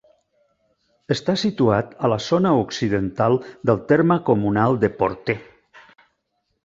Està situat a la zona occidental del terme comunal de Portè.